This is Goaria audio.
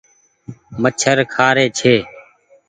مڇر کآ ري ڇي۔